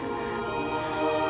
boleh saya liat